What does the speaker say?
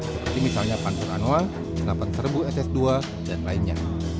seperti misalnya pantur anwa delapan belas ss dua dan lainnya